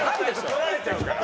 取られちゃうから。